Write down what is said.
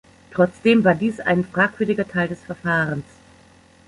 Trotzdem war dies ein fragwürdiger Teil des Verfahrens.